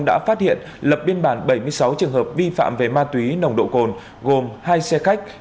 đã phát hiện lập biên bản bảy mươi sáu trường hợp vi phạm về ma túy nồng độ cồn gồm hai xe khách